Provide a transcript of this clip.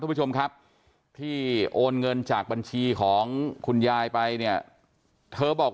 ผู้ชมครับที่โอนเงินจากบัญชีของคุณยายไปเนี่ยเธอบอก